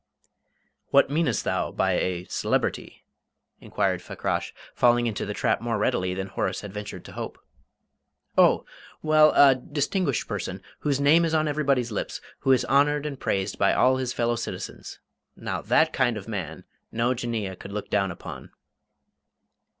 "What meanest thou by a celebrity?" inquired Fakrash, falling into the trap more readily than Horace had ventured to hope. "Oh, well, a distinguished person, whose name is on everybody's lips, who is honoured and praised by all his fellow citizens. Now, that kind of man no Jinneeyeh could look down upon."